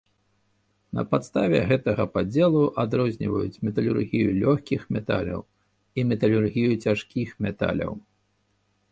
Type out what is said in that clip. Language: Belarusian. На падставе гэтага падзелу адрозніваюць металургію лёгкіх металаў і металургію цяжкіх металаў.